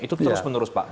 itu terus menerus pak